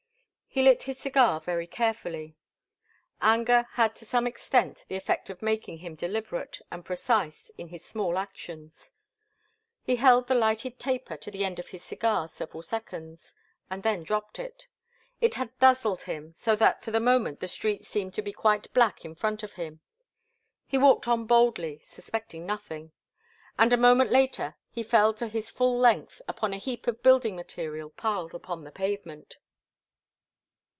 He lit his cigar very carefully. Anger had to some extent the effect of making him deliberate and precise in his small actions. He held the lighted taper to the end of his cigar several seconds, and then dropped it. It had dazzled him, so that for the moment the street seemed to be quite black in front of him. He walked on boldly, suspecting nothing, and a moment later he fell to his full length upon a heap of building material piled upon the pavement.